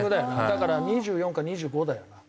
だから２４か２５だよな。